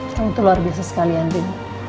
kamu tuh luar biasa sekalian rin